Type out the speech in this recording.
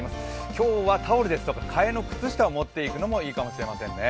今日はタオルですとか、替えの靴下を持って行くのもいいかもしれませんね。